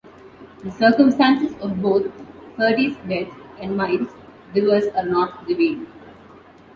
The circumstances of both Ferdy's death and Miles' divorce are not revealed.